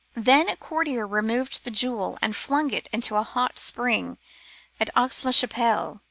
Then a courtier removed the jewel and flung it into a hot spring at Aix la Chapelle.